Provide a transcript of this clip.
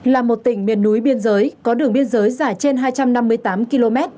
là một tỉnh miền núi biên giới có đường biên giới dài trên hai trăm năm mươi tám km